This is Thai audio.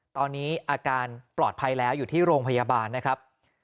ตอนนี้อาการปลอดภัยแล้วอยู่ที่โรงพยาบาลนะครับ